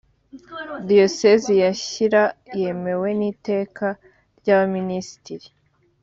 diyoseze ya shyira yemewe n’iteka rya minisitiri